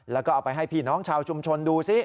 แล้วก็เอาไปให้พี่น้องชาวชุมชนดูซิ